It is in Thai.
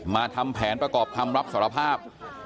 ทำแผนประกอบคำรับสารภาพ